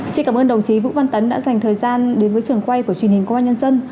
xin cảm ơn đồng chí vũ văn tấn đã dành thời gian đến với trường quay của truyền hình công an nhân dân